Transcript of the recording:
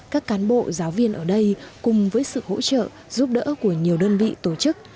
các cán bộ giáo viên ở đây cùng với sự hỗ trợ giúp đỡ của nhiều đơn vị tổ chức